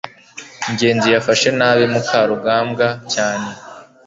ngenzi yafashe nabi mukarugambwa cyane